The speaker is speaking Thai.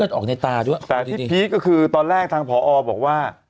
แต่ที่พีชก็คือตอนแรกทางพรออบอกว่า